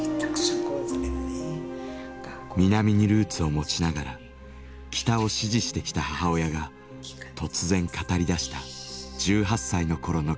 南にルーツを持ちながら北を支持してきた母親が突然語り出した１８歳の頃の記憶。